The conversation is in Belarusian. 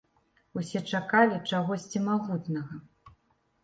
Усе чакалі чагосьці магутнага.